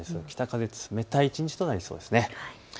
北風冷たい一日となりそうです。